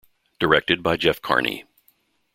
Directed by Jeff Carney.